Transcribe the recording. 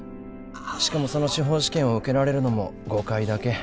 しかもその司法試験を受けられるのも５回だけ。